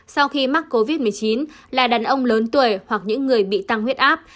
sau khi mắc covid một mươi chín là đàn ông lớn tuổi hoặc những người bị tăng huyết áp